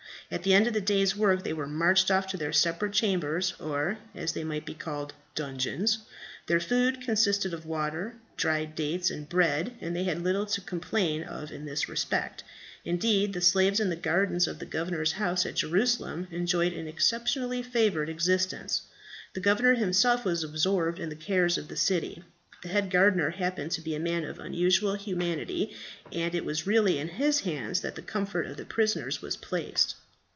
At the end of the day's work they were marched off to separate chambers, or, as they might be called, dungeons. Their food consisted of water, dried dates, and bread, and they had little to complain of in this respect; indeed, the slaves in the gardens of the governor's house at Jerusalem enjoyed an exceptionally favoured existence. The governor himself was absorbed in the cares of the city. The head gardener happened to be a man of unusual humanity, and it was really in his hands that the comfort of the prisoners was placed.